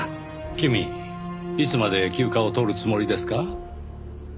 君いつまで休暇を取るつもりですか？